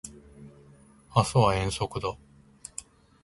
明日は遠足だ